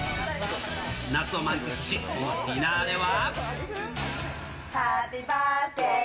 夏を満喫し、ディナーでは。